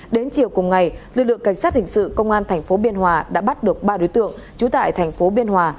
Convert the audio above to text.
đến chiều cùng ngày lực lượng cảnh sát hình sự công an tp biên hòa đã bắt được ba đối tượng trú tại tp biên hòa